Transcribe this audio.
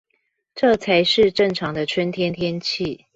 這才是正常的春天天氣